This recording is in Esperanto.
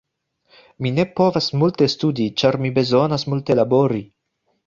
Mi ne povas multe studi ĉar mi bezonas multe labori.